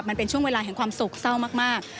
มันเป็นช่วงเวลาแห่งความโศกเศร้ามาก